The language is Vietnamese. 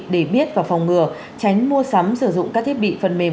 để biết và phòng ngừa tránh mua sắm sử dụng các thiết bị phần mềm